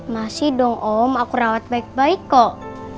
masih dong om aku rawat baik baik kok